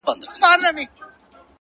• گراني په دې ياغي سيتار راته خبري کوه ـ